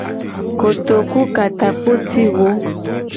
Kotoku ka takpo ci wo.